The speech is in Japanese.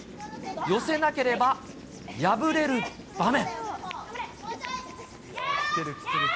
寄せなければ敗れる場面。